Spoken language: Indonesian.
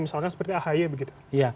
misalkan seperti ahi begitu